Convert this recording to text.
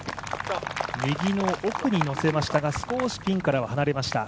右の奥に乗せましたが、少しピンから外れました。